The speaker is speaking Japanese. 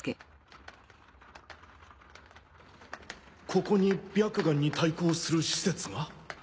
ここに白眼に対抗する施設が？